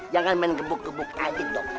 jangan main gebuk gebuk aja dong